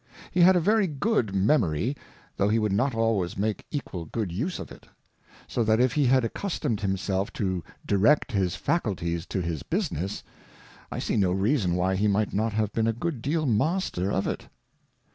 He had a very good Memory, though he would not always make equal good Use of it. So that if he had accustomed himself to direct his Faculties to his Business, I see no Reason why he might not have been a good deal Master of it.